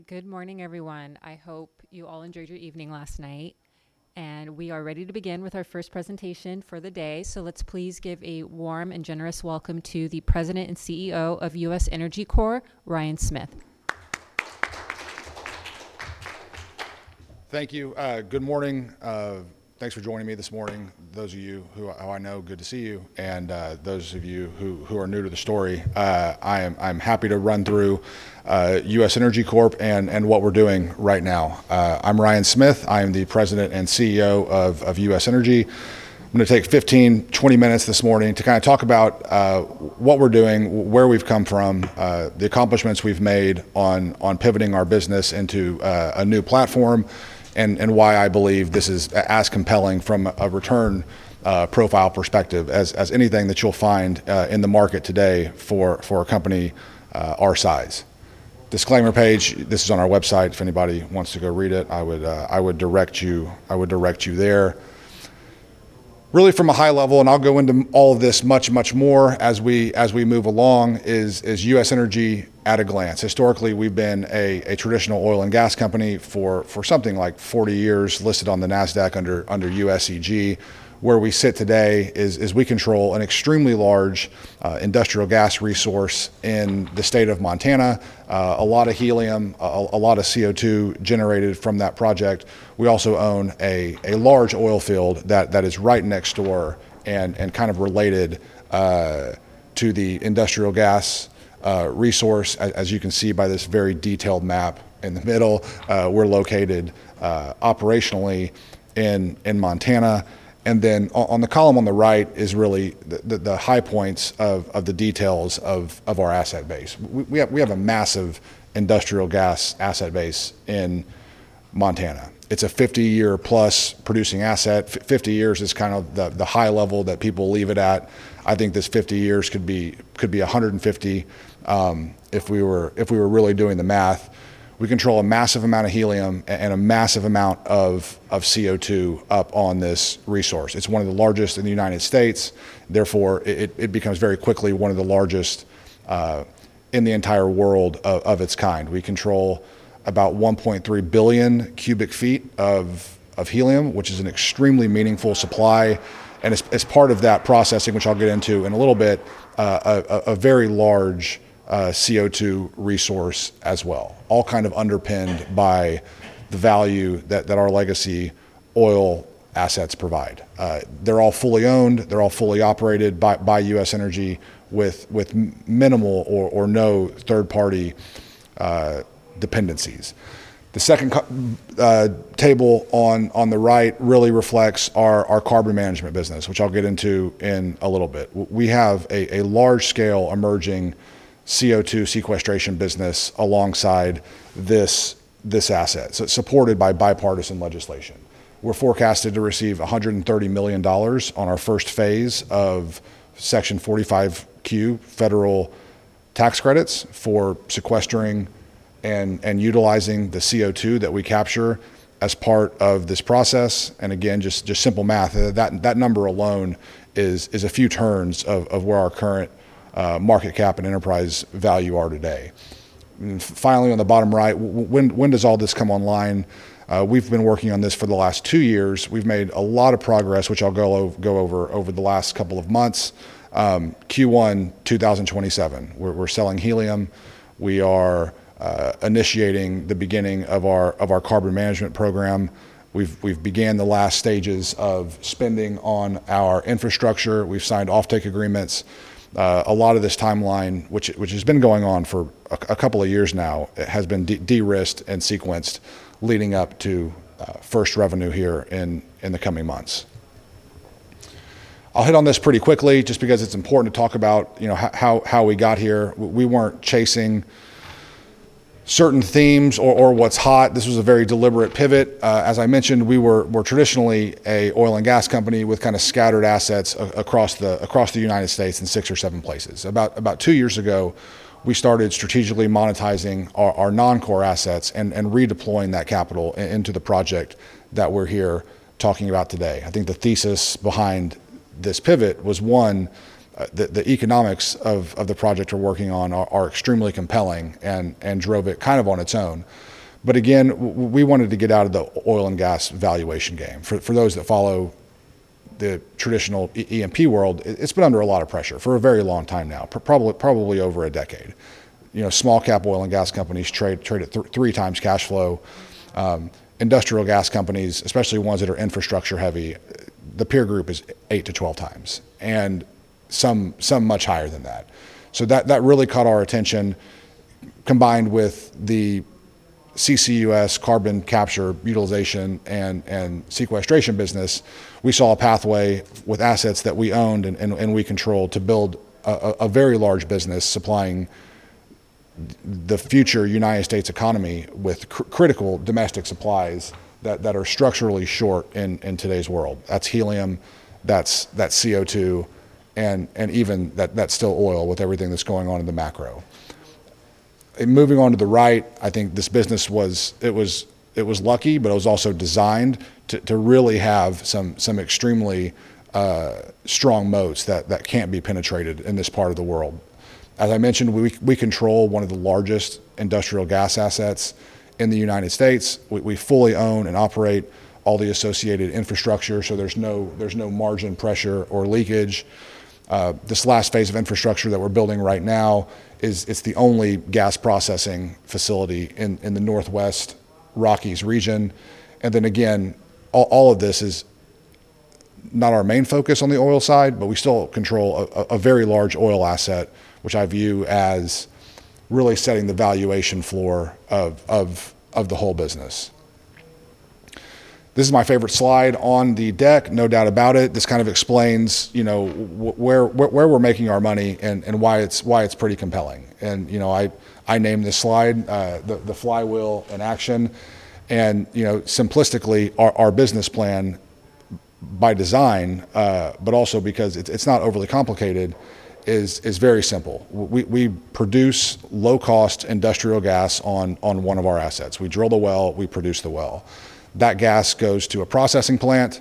All right. Good morning, everyone. I hope you all enjoyed your evening last night. We are ready to begin with our first presentation for the day. Let's please give a warm and generous welcome to the President and CEO of U.S. Energy Corp, Ryan Smith. Thank you. Good morning. Thanks for joining me this morning. Those of you who I know, good to see you, and those of you who are new to the story, I'm happy to run through U.S. Energy Corp and what we're doing right now. I'm Ryan Smith. I am the President and CEO of U.S. Energy. I'm gonna take 15, 20 minutes this morning to kinda talk about what we're doing, where we've come from, the accomplishments we've made on pivoting our business into a new platform, and why I believe this is as compelling from a return profile perspective as anything that you'll find in the market today for a company our size. Disclaimer page, this is on our website. If anybody wants to go read it, I would direct you there. Really from a high level, and I'll go into all of this much, much more as we move along, is U.S. Energy at a glance. Historically, we've been a traditional oil and gas company for something like 40 years, listed on the NASDAQ under USEG. Where we sit today is we control an extremely large industrial gas resource in the state of Montana. A lot of helium, a lot of CO2 generated from that project. We also own a large oil field that is right next door and kind of related to the industrial gas resource. As you can see by this very detailed map in the middle, we're located operationally in Montana. On the column on the right is really the high points of the details of our asset base. We have a massive industrial gas asset base in Montana. It's a 50 year-plus producing asset. 50 years is kind of the high level that people leave it at. I think this 50 years could be 150 if we were really doing the math. We control a massive amount of helium and a massive amount of CO2 up on this resource. It's one of the largest in the U.S. Therefore, it becomes very quickly one of the largest in the entire world of its kind. We control about 1.3 billion cubic feet of helium, which is an extremely meaningful supply. As part of that processing, which I'll get into in a little bit, a very large CO2 resource as well, all kind of underpinned by the value that our legacy oil assets provide. They're all fully owned. They're all fully operated by U.S. Energy with minimal or no third-party dependencies. The second table on the right really reflects our carbon management business, which I'll get into in a little bit. We have a large-scale emerging CO2 sequestration business alongside this asset. It's supported by bipartisan legislation. We're forecasted to receive $130 million on our first phase of Section 45Q federal tax credits for sequestering and utilizing the CO2 that we capture as part of this process. Again, just simple math. That number alone is a few turns of where our current market cap and enterprise value are today. Finally, on the bottom right, when does all this come online? We've been working on this for the last two years. We've made a lot of progress, which I'll go over the last couple of months. Q1 2027, we're selling helium. We are initiating the beginning of our carbon management program. We've began the last stages of spending on our infrastructure. We've signed offtake agreements. A lot of this timeline, which has been going on for a couple of years now, has been derisked and sequenced leading up to first revenue here in the coming months. I'll hit on this pretty quickly just because it's important to talk about, you know, how we got here. We weren't chasing certain themes or what's hot. This was a very deliberate pivot. As I mentioned, we're traditionally a oil and gas company with kind of scattered assets across the United States in six or seven places. About two years ago, we started strategically monetizing our non-core assets and redeploying that capital into the project that we're here talking about today. I think the thesis behind this pivot was, one, the economics of the project we're working on are extremely compelling and drove it kind of on its own. Again, we wanted to get out of the oil and gas valuation game. For those that follow the traditional E&P world, it's been under a lot of pressure for a very long time now, probably over a decade. You know, small cap oil and gas companies trade at 3 times cash flow. Industrial gas companies, especially ones that are infrastructure heavy, the peer group is 8-12 times, and some much higher than that. That really caught our attention. Combined with the CCUS carbon capture utilization and sequestration business, we saw a pathway with assets that we owned and we control to build a very large business supplying the future U.S. economy with critical domestic supplies that are structurally short in today's world. That's helium, that's CO2, and even that's still oil with everything that's going on in the macro. Moving on to the right, I think this business was lucky, but it was also designed to really have some extremely strong moats that can't be penetrated in this part of the world. As I mentioned, we control one of the largest industrial gas assets in the U.S. We fully own and operate all the associated infrastructure, so there's no margin pressure or leakage. This last phase of infrastructure that we're building right now it's the only gas processing facility in the Northwest Rockies region. Then again, all of this is not our main focus on the oil side, but we still control a very large oil asset, which I view as really setting the valuation floor of the whole business. This is my favorite slide on the deck, no doubt about it. This kind of explains, you know, where we're making our money and why it's pretty compelling. You know, I named this slide The flywheel in action. You know, simplistically, our business plan by design, but also because it's not overly complicated, is very simple. We produce low-cost industrial gas on one of our assets. We drill the well, we produce the well. That gas goes to a processing plant,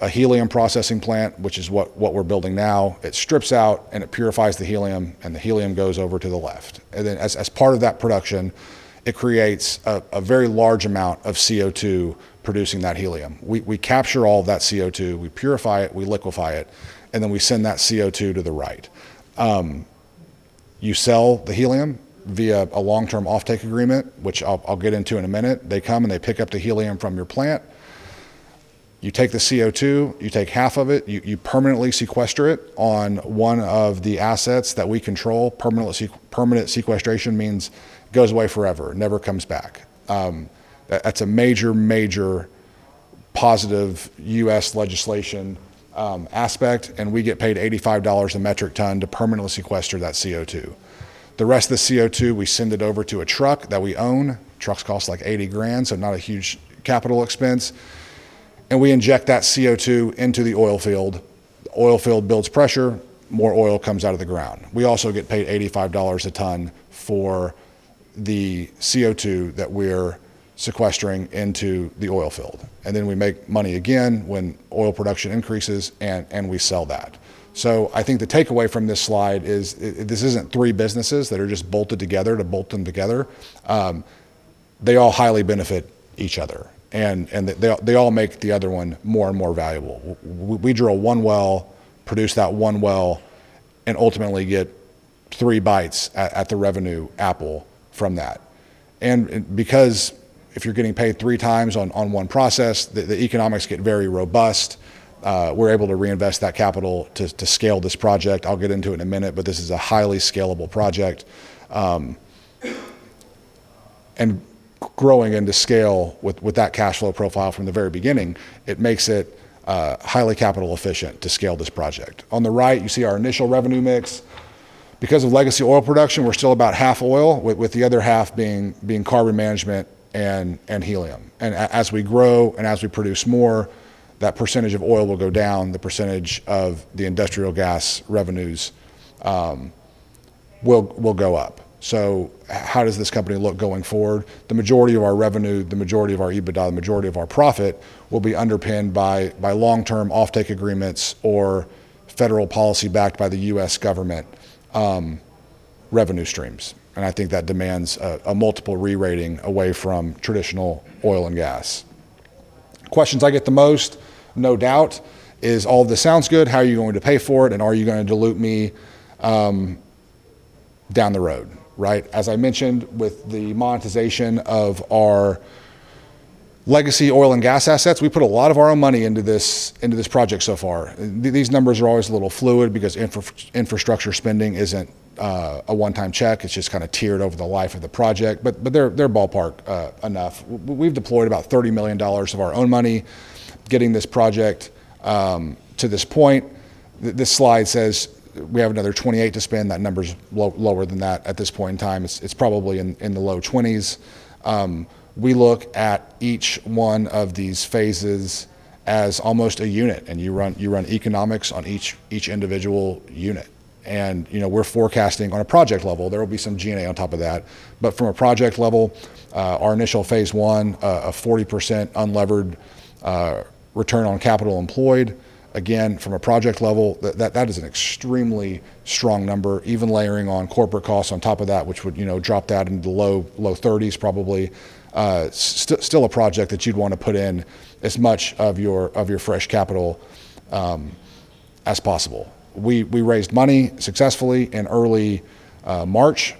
a helium processing plant, which is what we're building now. It strips out and it purifies the helium, the helium goes over to the left. Then as part of that production, it creates a very large amount of CO2 producing that helium. We capture all that CO2, we purify it, we liquefy it, then we send that CO2 to the right. You sell the helium via a long-term offtake agreement, which I'll get into in a minute. They come, they pick up the helium from your plant. You take the CO2, you take half of it, you permanently sequester it on one of the assets that we control. Permanent sequestration means goes away forever, never comes back. That's a major positive U.S. legislation aspect, we get paid $85 a metric ton to permanently sequester that CO2. The rest of the CO2, we send it over to a truck that we own. Trucks cost like $80,000, not a huge capital expense. We inject that CO2 into the oil field. Oil field builds pressure, more oil comes out of the ground. We also get paid $85 a ton for the CO2 that we're sequestering into the oil field. We make money again when oil production increases and we sell that. I think the takeaway from this slide is this isn't three businesses that are just bolted together to bolt them together. They all highly benefit each other, and they all make the other one more and more valuable. We drill one well, produce that one well, and ultimately get three bites at the revenue apple from that. Because if you're getting paid three times on one process, the economics get very robust, we're able to reinvest that capital to scale this project. I'll get into it in a minute, but this is a highly scalable project, and growing into scale with that cash flow profile from the very beginning, it makes it highly capital efficient to scale this project. On the right, you see our initial revenue mix. Because of legacy oil production, we're still about half oil, with the other half being carbon management and helium. As we grow and as we produce more, that percentage of oil will go down, the percentage of the industrial gas revenues will go up. How does this company look going forward? The majority of our revenue, the majority of our EBITDA, the majority of our profit will be underpinned by long-term offtake agreements or federal policy backed by the U.S. government revenue streams. I think that demands a multiple re-rating away from traditional oil and gas. Questions I get the most, no doubt, is all this sounds good, how are you going to pay for it, and are you gonna dilute me down the road, right? As I mentioned, with the monetization of our legacy oil and gas assets, we put a lot of our own money into this project so far. These numbers are always a little fluid because infrastructure spending isn't a one-time check. It's just kinda tiered over the life of the project. They're ballpark enough. We've deployed about $30 million of our own money getting this project to this point. This slide says we have another $28 to spend. That number's lower than that at this point in time. It's probably in the low $20s. We look at each one of these phases as almost a unit, and you run economics on each individual unit. You know, we're forecasting on a project level. There will be some G&A on top of that. From a project level, our initial phase I, a 40% unlevered return on capital employed. Again, from a project level, that is an extremely strong number, even layering on corporate costs on top of that, which would, you know, drop that into the low $30s probably. Still a project that you'd wanna put in as much of your, of your fresh capital as possible. We raised money successfully in early March.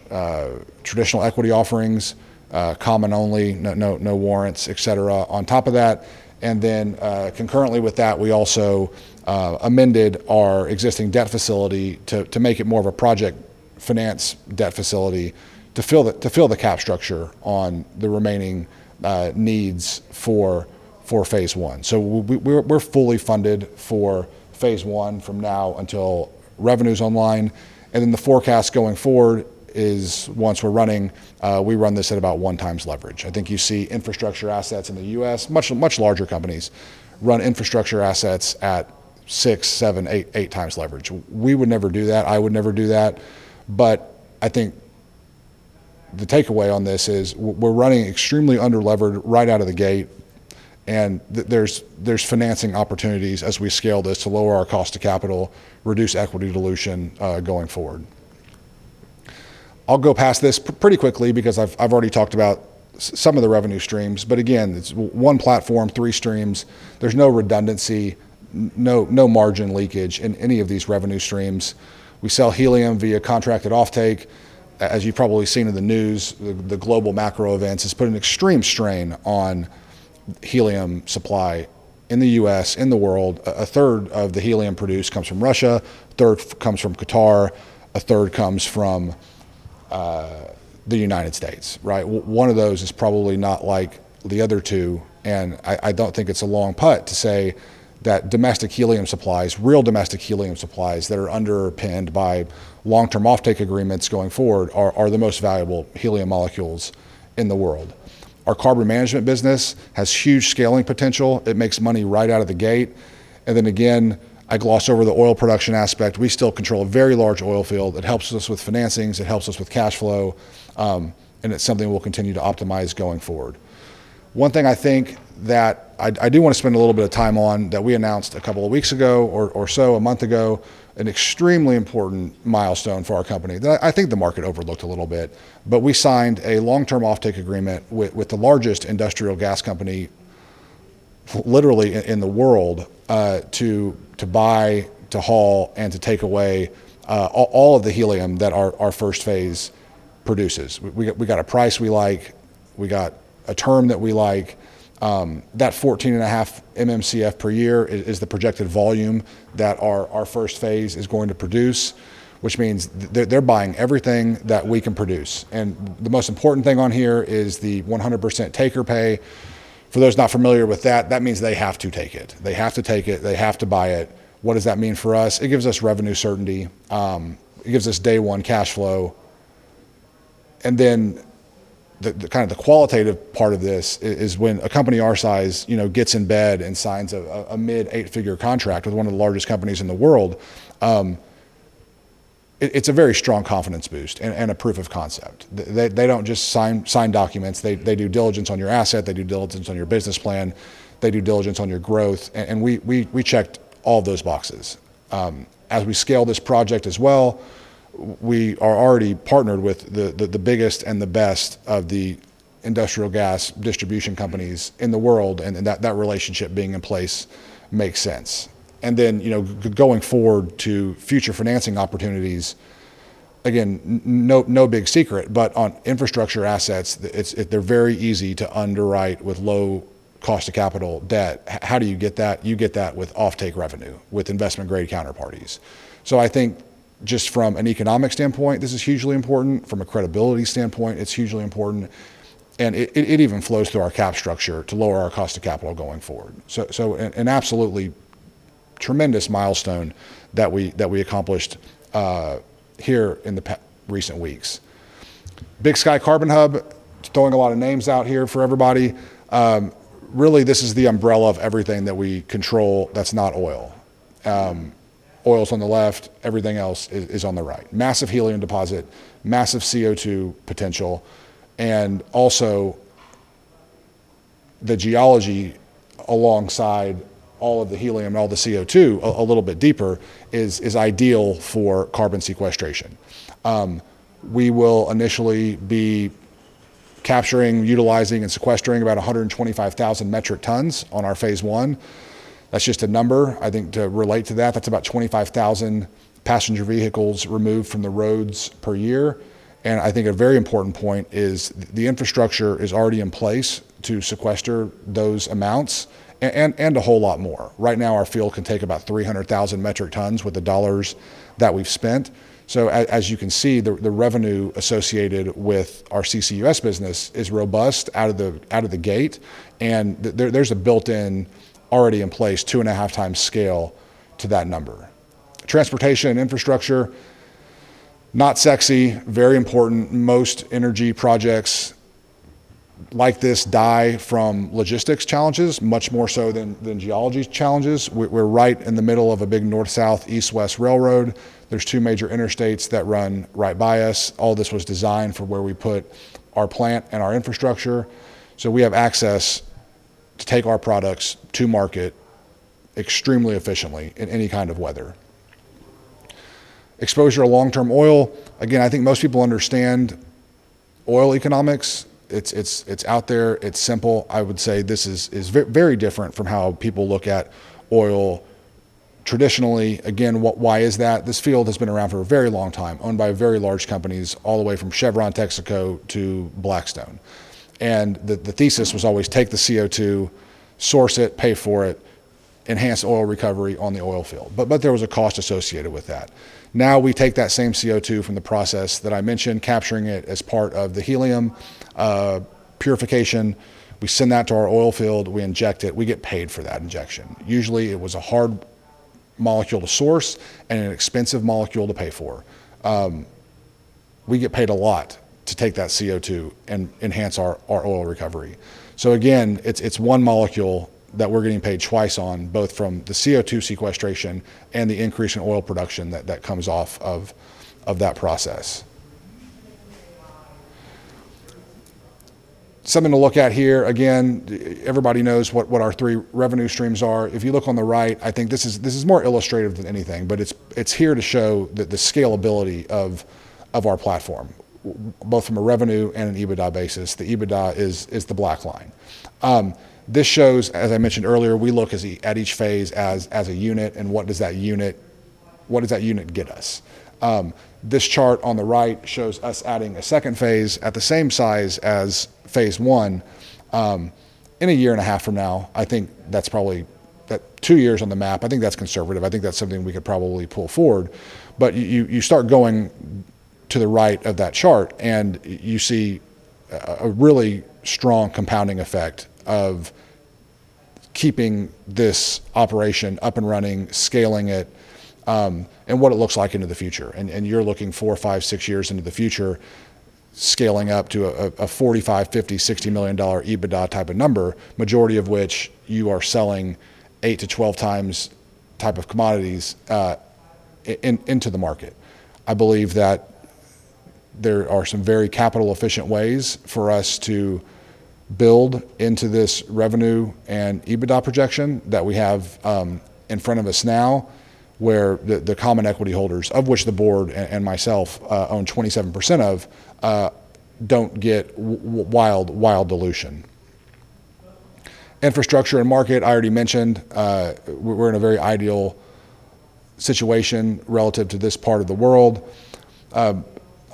Traditional equity offerings, common only, no warrants, etcetera, on top of that. Concurrently with that, we also amended our existing debt facility to make it more of a project finance debt facility to fill the cap structure on the remaining needs for phase I. We're fully funded for phase I from now until revenue's online. The forecast going forward is once we're running, we run this at about one times leverage. I think you see infrastructure assets in the U.S., much, much larger companies run infrastructure assets at six, seven, eight, eight times leverage. We would never do that. I would never do that. I think the takeaway on this is we're running extremely underlevered right out of the gate, and there's financing opportunities as we scale this to lower our cost to capital, reduce equity dilution, going forward. I'll go past this pretty quickly because I've already talked about some of the revenue streams. Again, it's one platform, three streams. There's no redundancy, no margin leakage in any of these revenue streams. We sell helium via contracted offtake. As you've probably seen in the news, the global macro events has put an extreme strain on helium supply in the U.S., in the world. A third of the helium produced comes from Russia, a third comes from Qatar, a third comes from the United States, right? One of those is probably not like the other two, and I don't think it's a long putt to say that domestic helium supplies, real domestic helium supplies that are underpinned by long-term offtake agreements going forward are the most valuable helium molecules in the world. Our carbon management business has huge scaling potential. It makes money right out of the gate. Then again, I glossed over the oil production aspect. We still control a very large oil field that helps us with financings, it helps us with cash flow, and it's something we'll continue to optimize going forward. One thing I think that I do wanna spend a little bit of time on that we announced a couple of weeks ago or so, a month ago, an extremely important milestone for our company that I think the market overlooked a little bit. We signed a long-term offtake agreement with the largest industrial gas company literally in the world, to buy, to haul, and to take away, all of the helium that our first phase produces. We got a price we like, we got a term that we like. That 14.5 MMcf per year is the projected volume that our first phase is going to produce, which means they're buying everything that we can produce. The most important thing on here is the 100% take or pay. For those not familiar with that means they have to take it. They have to buy it. What does that mean for us? It gives us revenue certainty. It gives us day one cash flow. Then the kind of the qualitative part of this is when a company our size, you know, gets in bed and signs a mid eight figure contract with one of the largest companies in the world, it's a very strong confidence boost and a proof of concept. They don't just sign documents. They do diligence on your asset. They do diligence on your business plan. They do diligence on your growth. We checked all those boxes. As we scale this project as well, we are already partnered with the biggest and the best of the industrial gas distribution companies in the world, and that relationship being in place makes sense. You know, going forward to future financing opportunities, again, no big secret, but on infrastructure assets, they're very easy to underwrite with low cost of capital debt. How do you get that? You get that with offtake revenue, with investment grade counterparties. I think just from an economic standpoint, this is hugely important. From a credibility standpoint, it's hugely important. It even flows through our cap structure to lower our cost of capital going forward. And absolutely tremendous milestone that we accomplished here in the recent weeks. Big Sky Carbon Hub, throwing a lot of names out here for everybody. Really, this is the umbrella of everything that we control that's not oil. Oil's on the left, everything else is on the right. Massive helium deposit, massive CO2 potential, and also the geology alongside all of the helium and all the CO2 a little bit deeper is ideal for carbon sequestration. We will initially be capturing, utilizing, and sequestering about 125,000 metric tons on our phase I. That's just a number. I think to relate to that's about 25,000 passenger vehicles removed from the roads per year. And I think a very important point is the infrastructure is already in place to sequester those amounts and a whole lot more. Right now, our field can take about 300,000 metric tons with the dollars that we've spent. As you can see, the revenue associated with our CCUS business is robust out of the gate. There's a built-in already in place two and a half times scale to that number. Transportation and infrastructure, not sexy, very important. Most energy projects like this die from logistics challenges, much more so than geology challenges. We're right in the middle of a big north-south, east-west railroad. There's two major interstates that run right by us. All this was designed for where we put our plant and our infrastructure, so we have access to take our products to market extremely efficiently in any kind of weather. Exposure to long-term oil. Again, I think most people understand oil economics. It's out there. It's simple. I would say this is very different from how people look at oil traditionally. Why is that? This field has been around for a very long time, owned by very large companies, all the way from Chevron, Texaco, to Blackstone. The thesis was always take the CO2, source it, pay for it, enhance oil recovery on the oil field. There was a cost associated with that. Now we take that same CO2 from the process that I mentioned, capturing it as part of the helium purification. We send that to our oil field, we inject it, we get paid for that injection. Usually, it was a hard molecule to source and an expensive molecule to pay for. We get paid a lot to take that CO2 and enhance our oil recovery. Again, it's one molecule that we're getting paid twice on, both from the CO2 sequestration and the increase in oil production that comes off of that process. Something to look at here. Again, everybody knows what our three revenue streams are. If you look on the right, I think this is more illustrative than anything, but it's here to show the scalability of our platform both from a revenue and an EBITDA basis. The EBITDA is the black line. This shows, as I mentioned earlier, we look at each phase as a unit, and what does that unit get us? This chart on the right shows us adding a second phase at the same size as phase I in a year and a half from now I think that's probably that two years on the map. I think that's conservative. I think that's something we could probably pull forward. You start going to the right of that chart, and you see a really strong compounding effect of keeping this operation up and running, scaling it, and what it looks like into the future. You're looking four, five, six years into the future, scaling up to a $45 million, $50 million, $60 million EBITDA type of number, majority of which you are selling 8x-12x type of commodities into the market. I believe that there are some very capital efficient ways for us to build into this revenue and EBITDA projection that we have in front of us now, where the common equity holders, of which the board and myself, own 27% of, don't get wild dilution. Infrastructure and market, I already mentioned. We're in a very ideal situation relative to this part of the world.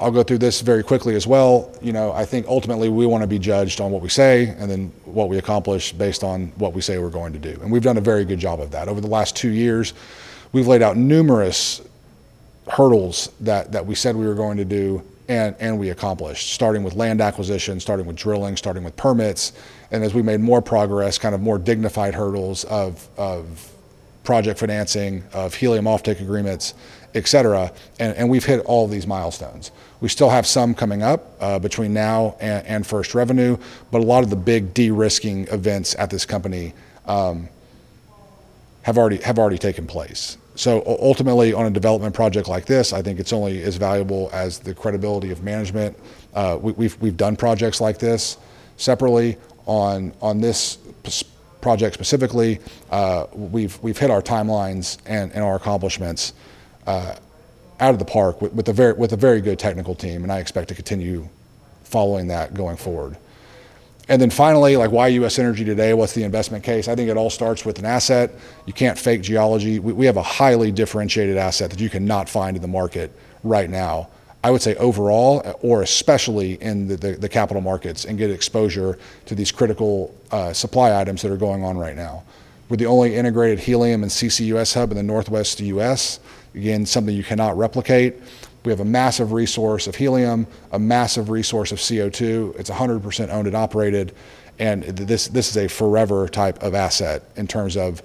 I'll go through this very quickly as well. You know, I think ultimately we wanna be judged on what we say and then what we accomplish based on what we say we're going to do. We've done a very good job of that. Over the last two years, we've laid out numerous hurdles that we said we were going to do and we accomplished, starting with land acquisition, starting with drilling, starting with permits. As we made more progress, kind of more dignified hurdles of project financing, of helium offtake agreements, et cetera. We've hit all these milestones. We still have some coming up between now and first revenue, but a lot of the big de-risking events at this company have already taken place. Ultimately, on a development project like this, I think it's only as valuable as the credibility of management. We've done projects like this separately. On this project specifically, we've hit our timelines and our accomplishments out of the park with a very good technical team, and I expect to continue following that going forward. Then finally, like why U.S. Energy today? What's the investment case? I think it all starts with an asset. You can't fake geology. We have a highly differentiated asset that you cannot find in the market right now, I would say overall or especially in the capital markets, and get exposure to these critical supply items that are going on right now. We're the only integrated helium and CCUS hub in the Northwest U.S. Again, something you cannot replicate. We have a massive resource of helium, a massive resource of CO2. It's a 100% owned and operated. This is a forever type of asset in terms of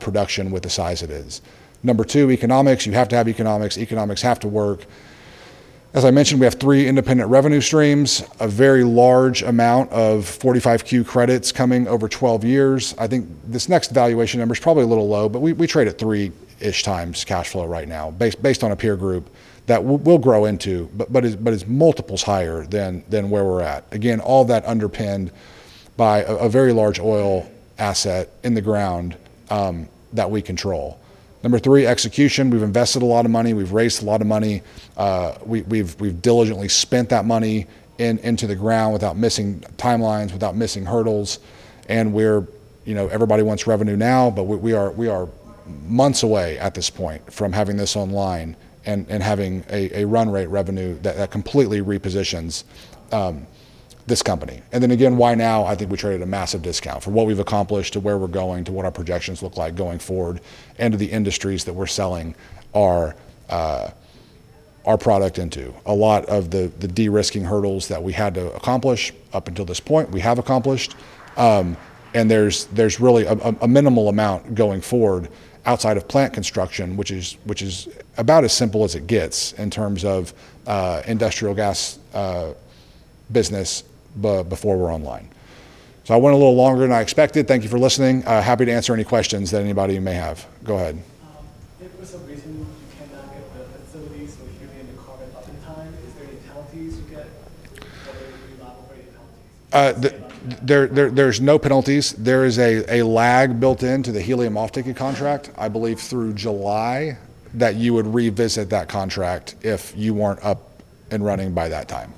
production with the size it is. Number two, economics. Economics have to work. As I mentioned, we have three independent revenue streams, a very large amount of 45Q credits coming over 12 years. I think this next valuation number is probably a little low, we trade at three-ish times cash flow right now based on a peer group that we'll grow into, but is multiples higher than where we're at. Again, all that underpinned by a very large oil asset in the ground that we control. Number three, execution. We've invested a lot of money. We've raised a lot of money. We've diligently spent that money into the ground without missing timelines, without missing hurdles. We're You know, everybody wants revenue now, but we are months away at this point from having this online and having a run rate revenue that completely repositions this company. Then again, why now? I think we trade at a massive discount for what we've accomplished to where we're going, to what our projections look like going forward and to the industries that we're selling our product into. A lot of the de-risking hurdles that we had to accomplish up until this point, we have accomplished. There's really a minimal amount going forward outside of plant construction, which is about as simple as it gets in terms of industrial gas business before we're online. I went a little longer than I expected. Thank you for listening. Happy to answer any questions that anybody may have. Go ahead. If there's a reason you cannot get the facilities for helium and carbon up in time, is there any penalties you get or will you be liable for any penalties? There's no penalties. There is a lag built into the helium offtake contract, I believe through July, that you would revisit that contract if you weren't up and running by that time.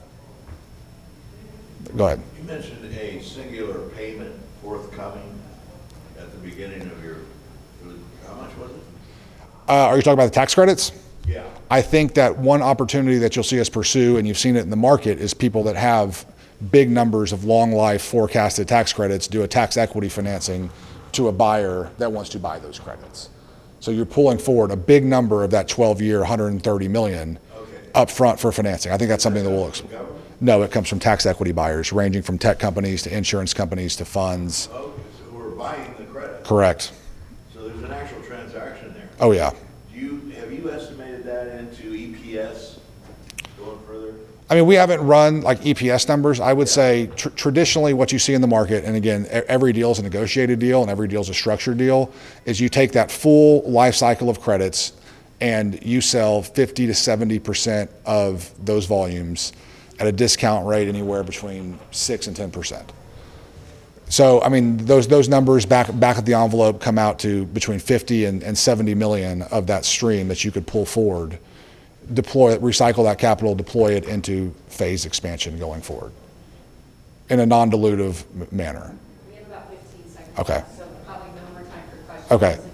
Go ahead. You mentioned a singular payment forthcoming at the beginning of your. How much was it? Are you talking about the tax credits? Yeah. I think that one opportunity that you'll see us pursue, and you've seen it in the market, is people that have big numbers of long life forecasted tax credits do a tax equity financing to a buyer that wants to buy those credits. You're pulling forward a big number of that 12-year, $130 million. Okay. Upfront for financing. I think that's something that we'll. From the government? It comes from tax equity buyers ranging from tech companies to insurance companies to funds. Oh, who are buying the credit? Correct. There's an actual transaction there. Oh, yeah. Have you estimated that into EPS going further? I mean, we haven't run, like, EPS numbers. Yeah. I would say traditionally, what you see in the market, and again, every deal is a negotiated deal, and every deal is a structured deal, is you take that full life cycle of credits, and you sell 50% to 70% of those volumes at a discount rate anywhere between 6% and 10%. I mean, those numbers back of the envelope come out to between $50 million and $70 million of that stream that you could pull forward, recycle that capital, deploy it into phase expansion going forward in a non-dilutive manner. We have about 15 seconds left. Okay. Probably no more time for questions. Okay. If you have any additional questions, they can be-